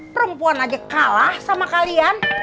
perempuan aja kalah sama kalian